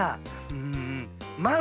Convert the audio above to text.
うん。